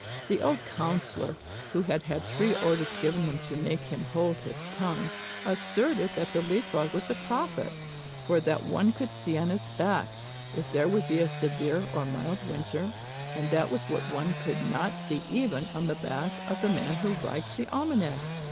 The old councillor, who had had three orders given him to make him hold his tongue, asserted that the Leap frog was a prophet; for that one could see on his back, if there would be a severe or mild winter, and that was what one could not see even on the back of the man who writes the almanac.